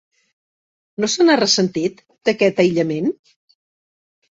No se n'ha ressentit, d'aquest aïllament?